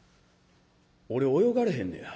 俺泳がれへんねや。